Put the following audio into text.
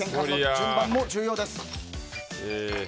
順番も重要です。